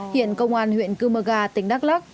hiện công an huyện cư mơ ga tỉnh đắk lắc